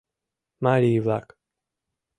- Марий-влак!